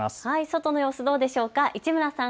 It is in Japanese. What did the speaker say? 外の様子どうでしょうか、市村さん